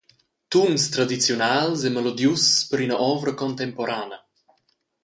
Tuns tradiziunals e melodius per ina ovra contemporana.